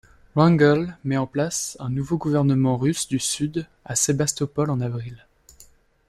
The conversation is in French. Wrangel met en place un nouveau gouvernement russe du Sud à Sébastopol en avril.